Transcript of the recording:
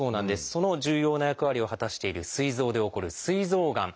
その重要な役割を果たしているすい臓で起こるすい臓がん。